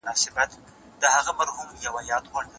زه د نصیب له فیصلو وم بېخبره روان